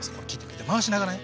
回しながらね。